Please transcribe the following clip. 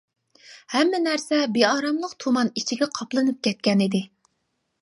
ھەممە نەرسە بىئاراملىق تۇمان ئىچىگە قاپلىنىپ كەتكەن ئىدى.